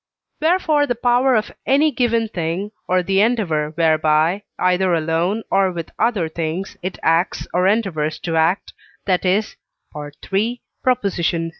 wherefore the power of any given thing, or the endeavour whereby, either alone or with other things, it acts, or endeavours to act, that is (III. vi.)